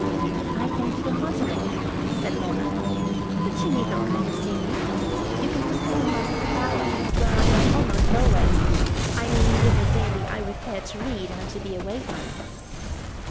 'I thank you heartily,' said Lorna; 'but you need not come to see me. You can put them in my little bower, where I am almost always I mean whither daily I repair to read and to be away from them.'